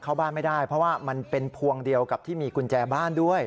เข้าบ้านไม่ได้เพราะว่ามันเป็นพวงเดียวกับที่มีกุญแจบ้านด้วย